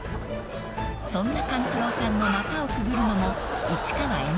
［そんな勘九郎さんの股をくぐるのも］